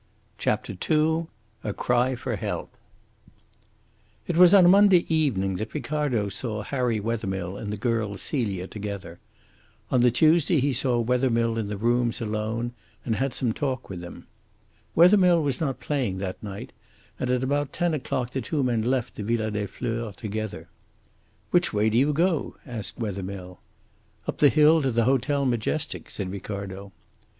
CHAPTER II A CRY FOR HELP It was on a Monday evening that Ricardo saw Harry Wethermill and the girl Celia together. On the Tuesday he saw Wethermill in the rooms alone and had some talk with him. Wethermill was not playing that night, and about ten o'clock the two men left the Villa des Fleurs together. "Which way do you go?" asked Wethermill. "Up the hill to the Hotel Majestic," said Ricardo.